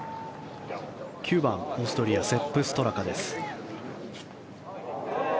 ９番、オーストリアセップ・ストラカです。